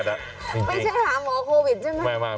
ไม่ใช่หาหมอโควิดใช่ไหม